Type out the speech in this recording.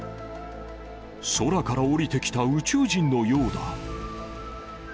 空から降りてきた宇宙人のよ